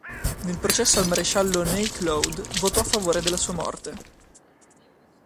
Nel processo al maresciallo Ney, Claude votò a favore della sua morte.